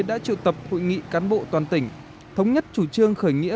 đã triệu tập hội nghị cán bộ toàn tỉnh thống nhất chủ trương khởi nghĩa